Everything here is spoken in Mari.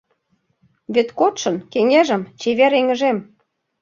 Вет кодшын, кеҥежым, чевер эҥыжем